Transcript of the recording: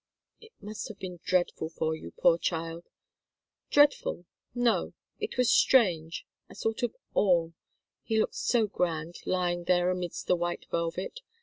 "It must have been dreadful for you, poor child " "Dreadful? No it was strange a sort of awe. He looked so grand, lying there amidst the white velvet!